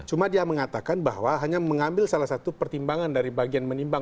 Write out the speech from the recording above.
cuma dia mengatakan bahwa hanya mengambil salah satu pertimbangan dari bagian menimbang